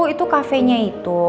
itu cafe nya itu